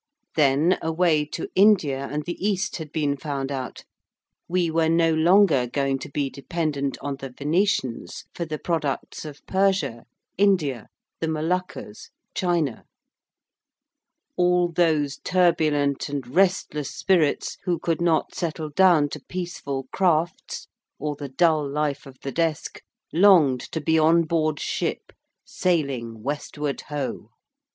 Then a way to India and the East had been found out: we were no longer going to be dependent on the Venetians for the products of Persia, India, the Moluccas, China. All those turbulent and restless spirits who could not settle down to peaceful crafts or the dull life of the desk, longed to be on board ship sailing Westward Ho.